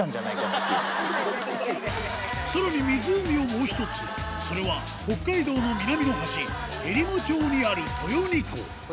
っさらに湖をもう一つ、それは、北海道の南の端、えりも町にある豊似湖。